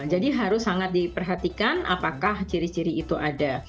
jadi harus sangat diperhatikan apakah ciri ciri itu ada